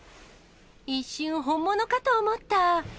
一瞬、本物かと思った。